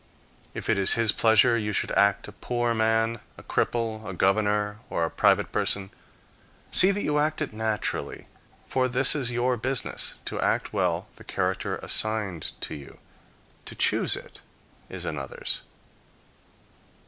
If it is his pleasure you should act a poor man, a cripple, a governor, or a private person, see that you act it naturally. For this is your business, to act well the character assigned you; to choose it is another's.